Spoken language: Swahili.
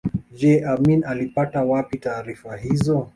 Je Amin alipata wapi taarifa hizo